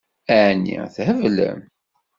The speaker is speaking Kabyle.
Ɛni theblem?